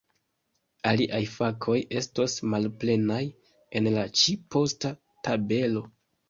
Iliaj fakoj estos malplenaj en la ĉi-posta tabelo.